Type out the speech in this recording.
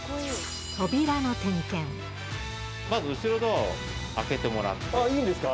まず後ろドアを開けてもらっいいんですか？